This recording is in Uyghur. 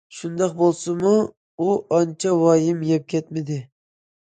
شۇنداق بولسىمۇ ئۇ ئانچە ۋايىم يەپ كەتمىدى.